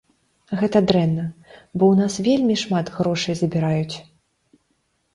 Гэта дрэнна, бо ў нас вельмі шмат грошай забіраюць.